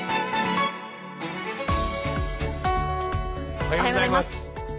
おはようございます。